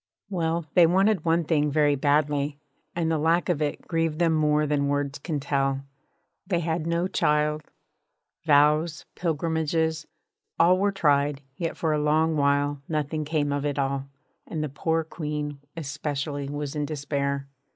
Well, they wanted one thing very badly, and the lack of it grieved them more than words can tell. They had no child. Vows, pilgrimages, all ways were tried; yet for a long while nothing came of it all, and the poor Queen especially was in despair.